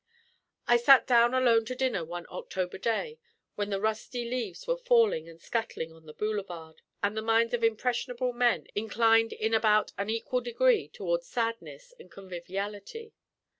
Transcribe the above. I sat down alone to dinner one October day when the rusty leaves were falling and scuttling on the boulevard, and the minds of impressionable men inclined in about an equal degree towards sadness and conviviality.